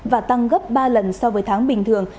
và tăng gấp ba lần so với tháng bình thường